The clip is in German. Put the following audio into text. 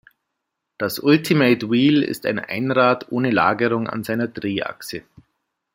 Das Ultimate Wheel ist ein Einrad ohne Lagerung an seiner Drehachse.